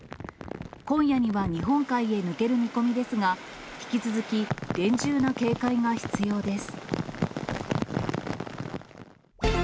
今夜には日本海へ抜ける見込みですが、引き続き厳重な警戒が必要です。